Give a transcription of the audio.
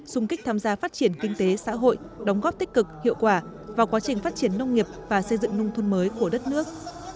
xung kích tham gia phát triển kinh tế xã hội đóng góp tích cực hiệu quả vào quá trình phát triển nông nghiệp và xây dựng nông thôn mới của đất nước